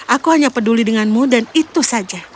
aku hanya peduli denganmu dan itu saja